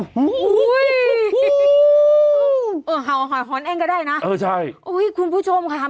ฮู้ยยยยยยยยี่ยยยฮู้ร์รร์ห่ายหอนแอ้งก็ได้นะคุณผู้ชมค่ะ